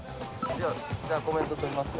じゃコメント撮りますよ。